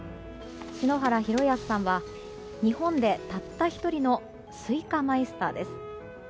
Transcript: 篠原弘安さんは日本でたった１人のスイカマイスターです。